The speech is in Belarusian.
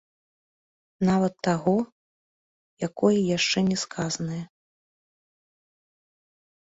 Нават таго, якое яшчэ не сказанае.